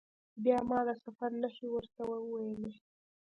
بیا ما د سفر نښې ورته وویلي.